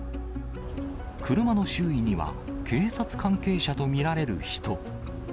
車の周囲には、警察関係者と見られる人。